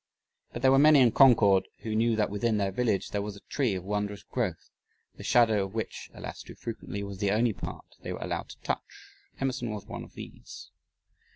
But there were many in Concord who knew that within their village there was a tree of wondrous growth, the shadow of which alas, too frequently was the only part they were allowed to touch. Emerson was one of these.